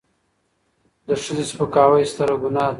د ښځې سپکاوی ستره ګناه ده.